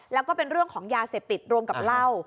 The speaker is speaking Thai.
แล้วก็เป็นเรื่องของยาเสพติดรวมกับเหล้า